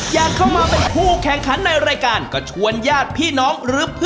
ยังไงก็ต้อง